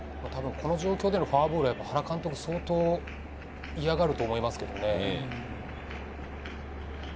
この状況でのフォアボールは原監督は相当嫌がると思いますけどね。